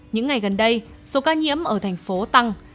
những ngày gần đây số ca nhiễm ở thành phố tăng